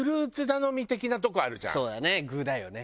そうだね具だよね。